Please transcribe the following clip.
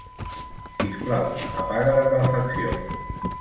Sisplau, apaga la calefacció.